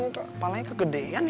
kepalanya kegedean ya